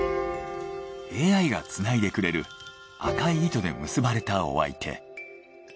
ＡＩがつないでくれる赤い糸で結ばれたお相手。